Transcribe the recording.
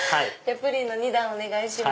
プリンの２段お願いします。